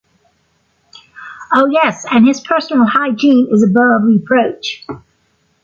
Oh yes, and his personal hygiene is above reproach.